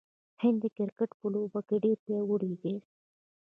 هند د کرکټ په لوبه کې ډیر پیاوړی دی.